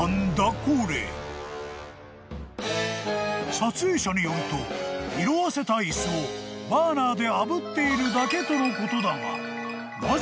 ［撮影者によると色あせた椅子をバーナーであぶっているだけとのことだが］